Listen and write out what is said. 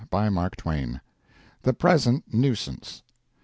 BY MARK TWAIN. THE "PRESENT" NUISANCE.